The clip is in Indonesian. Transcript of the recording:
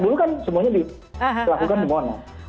dulu kan semuanya dilakukan di monas